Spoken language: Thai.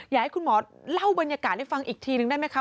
อยากให้คุณหมอเล่าบรรยากาศให้ฟังอีกทีนึงได้ไหมคะ